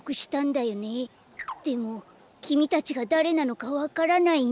でもきみたちがだれなのかわからないんだ。